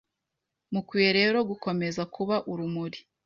mukwiye rero gukomeza kuba urumuri